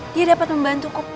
dia dapat membantuku